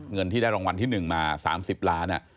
เงินที่ได้รางวัลที่๑มา๓๐ล้าน